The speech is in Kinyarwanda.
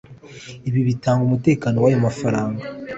Ibi bitanga umutekano w’ayo mafaranga